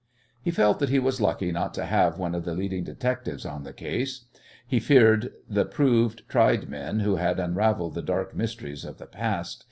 He felt that he was lucky not to have one of the leading detectives on the case. He feared the proved, tried men who had unravelled the dark mysteries of the past.